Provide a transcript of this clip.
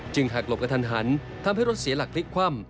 หักหลบกระทันหันทำให้รถเสียหลักพลิกคว่ำ